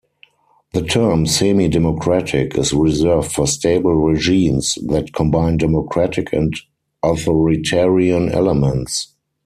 The term "semi-democratic" is reserved for stable regimes that combine democratic and authoritarian elements.